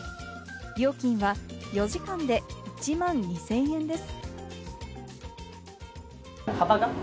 料金は４時間で１万２０００円です。